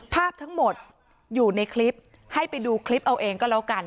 ภาพทั้งหมดอยู่ในคลิปให้ไปดูคลิปเอาเองก็แล้วกัน